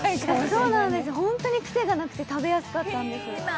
そうなんです、本当に癖がなくて食べやすかったんです。